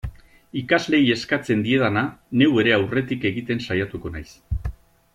Ikasleei eskatzen diedana, neu ere aurretik egiten saiatuko naiz.